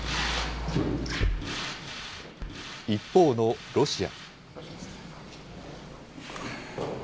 一方のロシア。